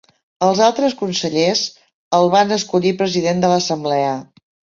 Els altres consellers el va escollir president de l'assemblea.